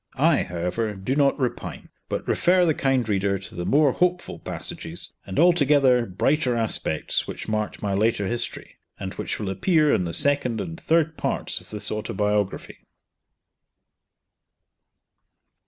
I, however, do not repine, but refer the kind reader to the more hopeful passages, and altogether brighter aspects which marked my later history, and which will appear in the second and third parts of this autobiography.